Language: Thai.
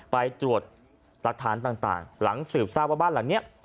ไปตรวจหลักฐานต่างหลังสืบทราบว่าบ้านหลังนี้